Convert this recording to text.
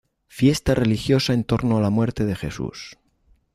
Fiesta religiosa en torno a la muerte de Jesús.